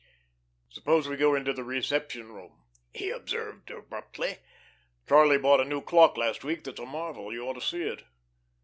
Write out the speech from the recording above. "Suppose we go into the reception room," he observed abruptly. "Charlie bought a new clock last week that's a marvel. You ought to see it."